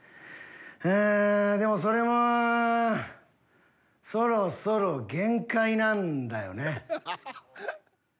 ああでもそれもそろそろ限界なんだよね。